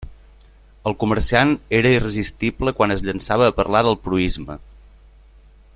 El comerciant era irresistible quan es llançava a parlar del proïsme.